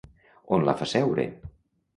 On la fa seure?